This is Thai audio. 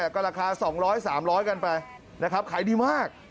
ก็ราคา๒๐๐๓๐๐กันไปนะครับขายดีมาก